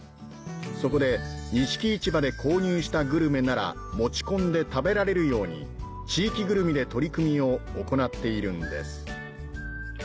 そこで錦市場で購入したグルメなら持ち込んで食べられるように地域ぐるみで取り組みを行っているんです